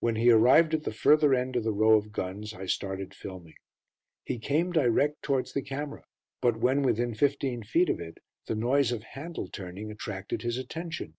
When he arrived at the further end of the row of guns, I started filming. He came direct towards the camera, but when within fifteen feet of it the noise of handle turning attracted his attention.